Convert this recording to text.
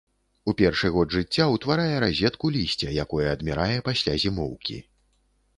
У першы год жыцця ўтварае разетку лісця, якое адмірае пасля зімоўкі.